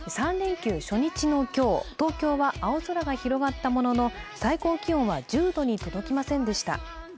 ３連休初日の今日、東京は青空が広がったものの最高気温は１０度に届きませんでした。